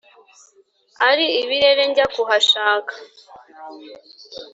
ari ibirere njya kuhashaka